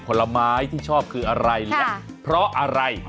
ผลไม้ที่ชอบคืออะไรและเพราะอะไร